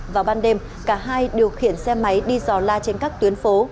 vào ban đêm cả hai điều khiển xe máy đi dò la trên các tuyến phố